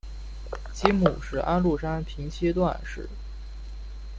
其母是安禄山平妻段氏。